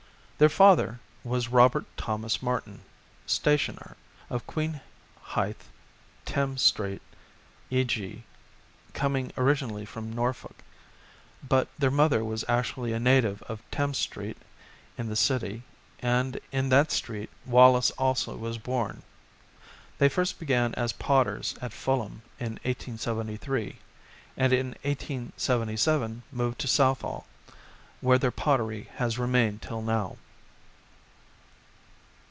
Their father was Robert Thomas Martin, stationer, of Queen Hythe, Thames Street, E.C., coming originally from Norfolk ; but their mother was actually a native of Thames Street in the city, and in that street Wallace also was bom. They first began as potters at Fulham in 1873, and in 1877 moved to Southall, where their pottery has remained till now.